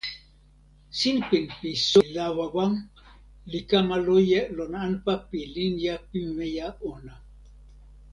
sinpin pi soweli Lawawa li kama loje lon anpa pi linja pimeja ona.